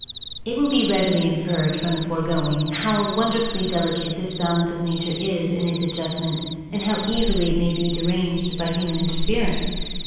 It will readily be inferred from the foregoing how wonderfully delicate this balance of nature is in its adjustment and how easily it may be deranged by human interference.